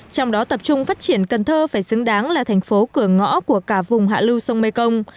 trong đó tập trung phát triển cần thơ phải xứng đáng là thành phố cửa ngõ của cả vùng hạ lưu sông mê công